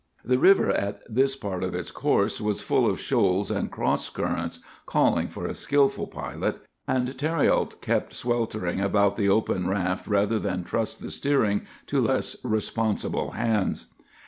"The river at this part of its course was full of shoals and cross currents, calling for a skilful pilot; and Thériault kept sweltering about the open raft rather than trust the steering to less responsible hands.